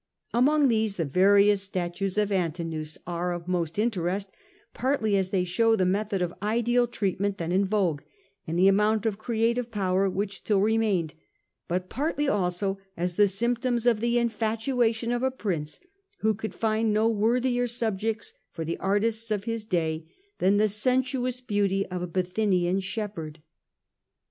Among these the various statues of Antinous are of most interest, partly as they show the methods of ideal treatment then in vogue, and the amount of creative power which still remained, but partly also as the symptoms of the infatuation of a prince who could find no worthier subjects for the artists of his day than the sensuous beauty of a Bithynian shepherd. 68 The Age of the A ntonines. a. d.